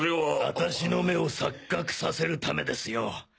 私の目を錯覚させるためですよ。